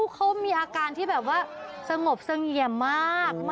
เขามีอาการที่แบบว่าสงบเสงี่ยมมาก